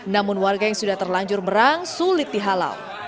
namun warga yang sudah terlanjur berang sulit dihalau